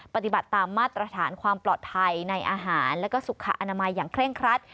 ปฏิบัติตามมาตรฐานความปลอดภัยในอาหารและสุขอนามัยอย่างเคร่งครัด